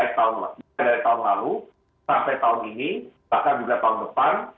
kami sudah menyiapkan anggaran baik tahun lalu sampai tahun ini bahkan juga tahun depan